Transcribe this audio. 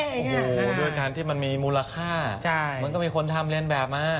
โอ้โหด้วยการที่มันมีมูลค่ามันก็มีคนทำเรียนแบบมา